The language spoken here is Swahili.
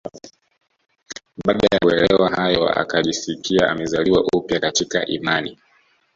Baada ya kuelewa hayo akajisikia amezaliwa upya katika imani